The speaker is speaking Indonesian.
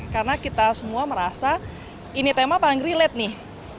karena kita semua merasa ini tema paling relate nih